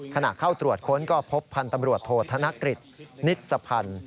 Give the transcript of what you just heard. ขณะเข้าตรวจค้นก็พบพันธ์ตำรวจโทษธนกฤษนิสพันธ์